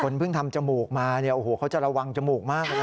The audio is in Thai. คนเพิ่งทำจมูกมาโอ้โหเขาจะระวังจมูกมากเลยนะ